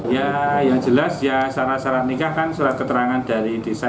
ya yang jelas ya saran saran nikah kan surat keterangan dari desa itu